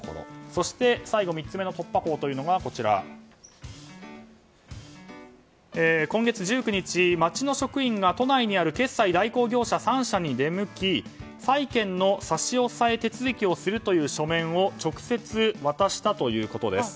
そして、最後３つ目の突破口というのが今月１９日、町の職員が都内にある決済代行業者３社に出向き債権の差し押さえ手続きをするという書面を直接、渡したということです。